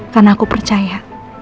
karena aku percaya